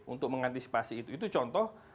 untuk mengantisipasi itu itu contoh